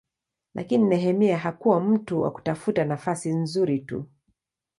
Lakini Nehemia hakuwa mtu wa kutafuta nafasi nzuri tu.